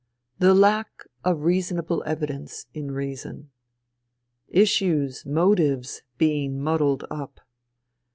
The lack of reasonable evidence in reason. Issues, motives being muddled up.